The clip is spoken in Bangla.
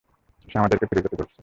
সে আমাদেরকে ফিরে যেতে বলেছে!